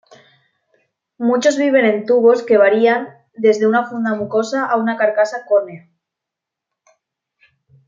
Muchos viven en tubos que varían desde una funda mucosa a una carcasa córnea.